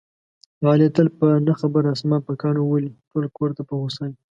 علي تل په نه خبره اسمان په کاڼو ولي، ټول کورته په غوسه وي.